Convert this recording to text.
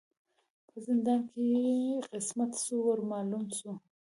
په زندان کی یې قسمت سو ور معلوم سو